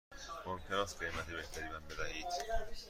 ممکن است قیمت بهتری به من بدهید؟